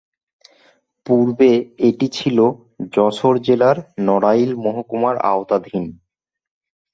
পূর্বে এটি ছিল যশোর জেলার নড়াইল মহকুমার আওতাধীন।